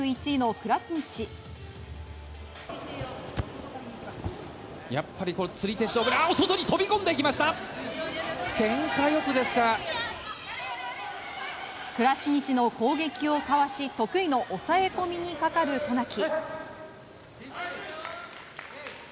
クラスニチの攻撃をかわし得意の抑え込みにかかる渡名喜。